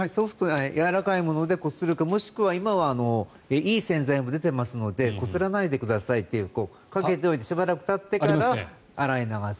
やわらかいものでこするかもしくは今はいい洗剤も出ていますのでこすらないでくださいってかけておいてしばらくたってから洗い流す。